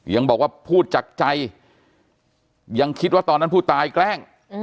ยังบอกว่าพูดจากใจยังคิดว่าตอนนั้นผู้ตายแกล้ง